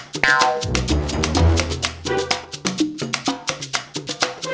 di lemari deh coba lihat